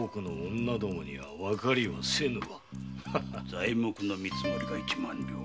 材木の見積りは一万両。